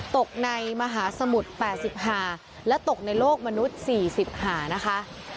ตกในมหาสมุดแปดสิบหาและตกในโลกมนุษย์สี่สิบหานะคะ